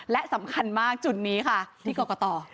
และสำคัญมากจุดนี้ค่ะที่กรกต